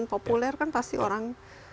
populer kan pasti orang